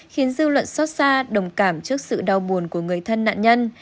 khiến dư luận xót xa đồng cảm trước sự đau buồn của người thân nạn nhân